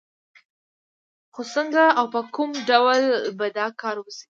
خو څنګه او په کوم ډول به دا کار وشي؟